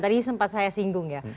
tadi sempat saya singgung ya